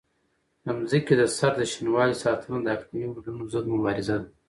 د ځمکې د سر د شینوالي ساتنه د اقلیمي بدلونونو ضد مبارزه ده.